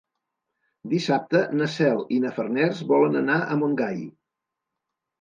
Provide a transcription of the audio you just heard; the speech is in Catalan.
Dissabte na Cel i na Farners volen anar a Montgai.